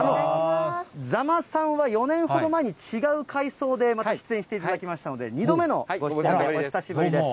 座間さんは４年ほど前に違うかいそうで出演していただきましたので、２度目のご出演で、お久しぶりです。